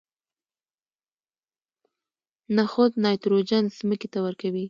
نخود نایتروجن ځمکې ته ورکوي.